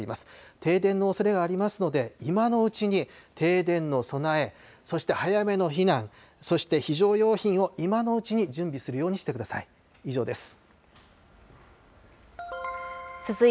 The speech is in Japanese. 停電のおそれがありますので、今のうちに停電の備え、そして早めの避難、そして非常用品を、今のうちに準備するようにしてください。